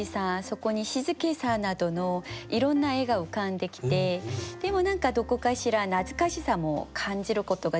そこに静けさなどのいろんな絵が浮かんできてでも何かどこかしら懐かしさも感じることができるような。